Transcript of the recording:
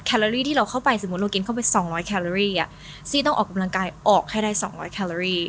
ลารี่ที่เราเข้าไปสมมุติเรากินเข้าไป๒๐๐แคลอรี่ซี่ต้องออกกำลังกายออกให้ได้๒๐๐แคลอรี่